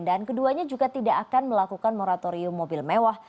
dan keduanya juga tidak akan melakukan moratorium mobil mewah